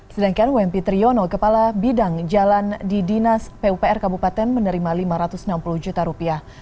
sedangkan wempi triyono kepala bidang jalan di dinas pupr kabupaten menerima lima ratus enam puluh juta rupiah